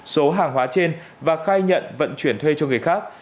số hàng hóa trên và khai nhận vận chuyển thuê cho người khác